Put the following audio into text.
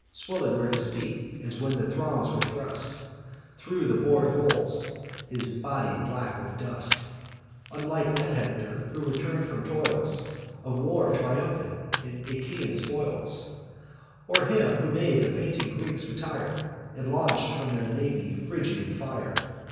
Swoln were his feet, as when the thongs were thrust Thro' the bor'd holes; his body black with dust; Unlike that Hector who return'd from toils Of war, triumphant, in Aeacian spoils, Or him who made the fainting Greeks retire, And launch'd against their navy Phrygian fire.